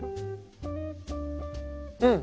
うん！